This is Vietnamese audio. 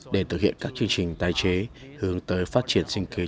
để thực hiện các chương trình tái chế hướng tới phát triển sinh kế cho người